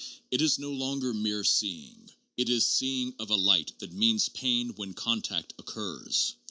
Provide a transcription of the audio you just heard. It is no longer mere seeing; it is seeing of a light that means pain when contact occurs.